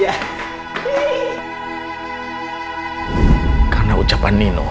tak ada apa apa apaov